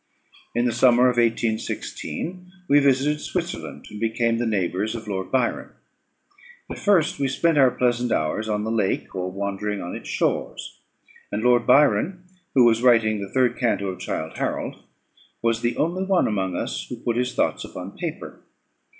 In the summer of 1816, we visited Switzerland, and became the neighbours of Lord Byron. At first we spent our pleasant hours on the lake, or wandering on its shores; and Lord Byron, who was writing the third canto of Childe Harold, was the only one among us who put his thoughts upon paper.